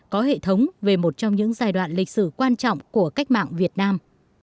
có hệ thống về một trong những giai đoạn lịch sử quan trọng của cách mạng việt nam